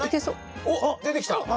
おっ出てきた！